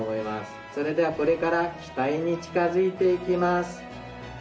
それではこれから機体に近づいていきます。